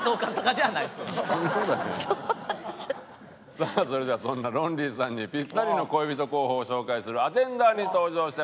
さあそれではそんなロンリーさんにピッタリの恋人候補を紹介するアテンダーに登場してもらいましょう。